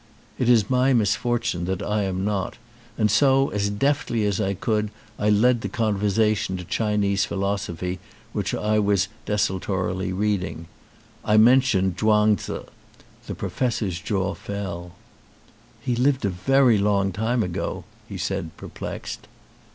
It is my misfortune that I am not, and so as deftly as I could I led the conversation to Chinese philosophy which I was desultorily reading. I mentioned Chuang Tzu. The professor's jaw fell. "He lived a very long time ago," he said, per plexed.